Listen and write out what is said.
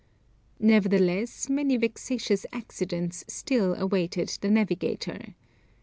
Nevertheless, many vexatious accidents still awaited the navigator.